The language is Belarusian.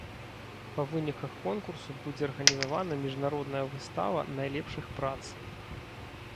Па выніках конкурсу будзе арганізавана міжнародная выстава найлепшых прац.